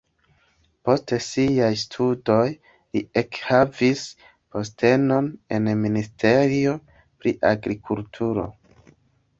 Post siaj studoj li ekhavis postenon en ministerio pri agrikulturo.